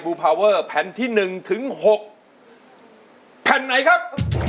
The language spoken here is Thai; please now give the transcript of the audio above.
บูพาเวอร์แผ่นที่หนึ่งถึงหกแผ่นไหนครับ